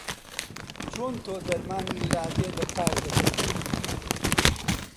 چۆن تۆ دەرمانی لادێ دە کار دەکەی؟